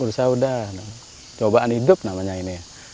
berusaha udah cobaan hidup namanya ini